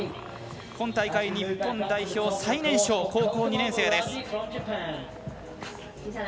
今大会、日本代表最年少高校２年生です。